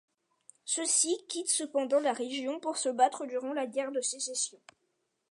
Ceux-ci quittent cependant la région pour se battre durant la Guerre de Sécession.